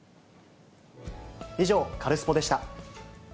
以上、カルスポっ！でした。